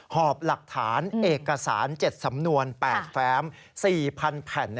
หอบหลักฐานเอกสาร๗สำนวน๘แฟ้ม๔๐๐๐แผ่น